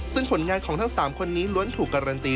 ซึ่งผลงานของทั้ง๓คนนี้ล้วนถูกการันตี